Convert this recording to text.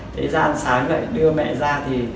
thế ra ăn sáng lại đưa mẹ ra thì